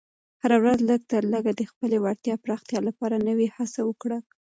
هره ورځ لږ تر لږه د خپلې وړتیا پراختیا لپاره نوې هڅه وکړه.